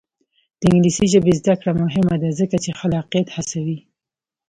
د انګلیسي ژبې زده کړه مهمه ده ځکه چې خلاقیت هڅوي.